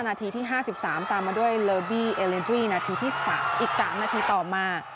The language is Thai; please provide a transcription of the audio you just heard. นาทีที่๕๓ตามมาด้วยเลอบี้เอเลนดรี่นาทีที่อีก๓นาทีต่อมา